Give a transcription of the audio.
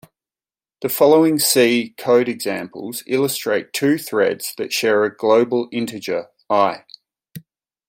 The following C code examples illustrate two threads that share a global integer i.